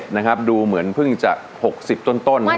๖๗นะครับดูเหมือนพึ่งจาก๖๐ต้นนั่นเอง